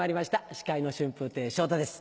司会の春風亭昇太です。